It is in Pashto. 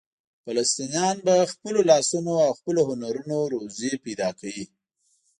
فلسطینیان په خپلو لاسونو او خپلو هنرونو روزي پیدا کوي.